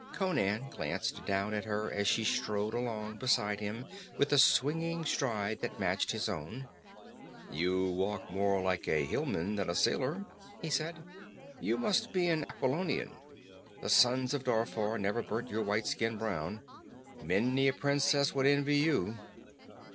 Conan glanced down at her as she strode along beside him with her swinging stride that matched his own. "You walk more like a hillman than a sailor," he said. "You must be an Aquilonian. The suns of Darfar never burnt your white skin brown. Many a princess would envy you."